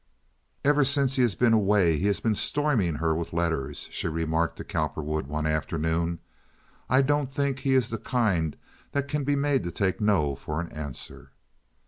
"Ever since he has been away he has been storming her with letters," she remarked to Cowperwood, one afternoon. "I don't think he is the kind that can be made to take no for an answer.